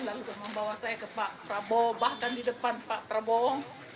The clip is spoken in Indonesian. langsung membawa saya ke pak prabowo bahkan di depan pak prabowo